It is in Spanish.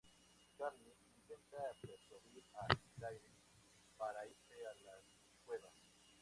Charlie intenta persuadir a Claire para irse a las cuevas.